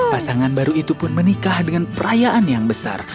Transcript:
pasangan baru itu pun menikah dengan perayaan yang besar